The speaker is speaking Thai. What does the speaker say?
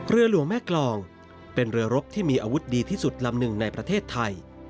เรือหลวงแม่กรองเป็นเรือรบที่มีอาวุธดีที่สุดลำหนึ่งในประเทศไทย